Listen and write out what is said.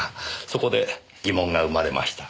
そこで疑問が生まれました。